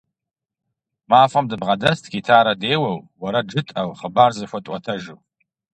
Мафӏэм дыбгъэдэст гитарэ деуэу, уэрэд жытӀэу, хъыбар зэхуэтӏуэтэжу.